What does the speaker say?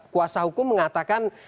kuasa hukum mengatakan